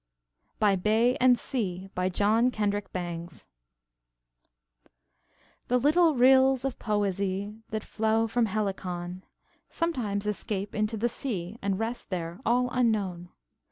BY BAY AND SEA BY JOHN KENDRICK BANGS The little rills of poesie That flow from Helicon Sometimes escape into the sea And rest there all unknown.